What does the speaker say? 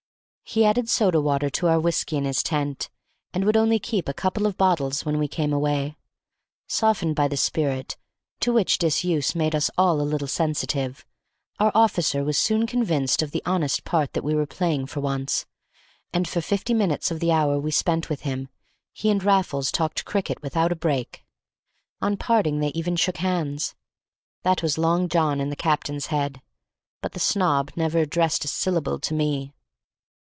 He added soda water to our whiskey in his tent, and would only keep a couple of bottles when we came away. Softened by the spirit, to which disuse made us all a little sensitive, our officer was soon convinced of the honest part that we were playing for once, and for fifty minutes of the hour we spent with him he and Raffles talked cricket without a break. On parting they even shook hands; that was Long John in the captain's head; but the snob never addressed a syllable to me.